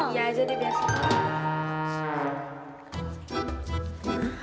ya jadi biasa